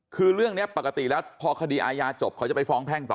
คือเรื่องนี้ปกติแล้วพอคดีอาญาจบเขาจะไปฟ้องแพ่งต่อ